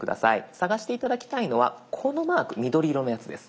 探して頂きたいのはこのマーク緑色のやつです。